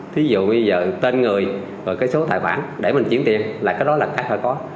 thí dụ bây giờ tên người rồi cái số tài khoản để mình chuyển tiền là cái đó là khác hơi có